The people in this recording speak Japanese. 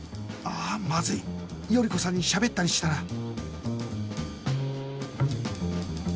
あまずい頼子さんにしゃべったりしたら